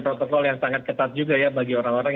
protokol yang sangat ketat juga ya bagi orang orang